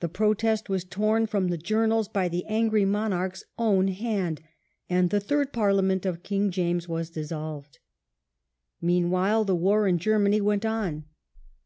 The protest was torn from the journals by the angry monarch's own hand, and the third Parliament of King James was dis solved. Meanwhile the war in Germany went on.